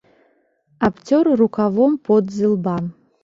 Абцёр рукавом пот з ілба.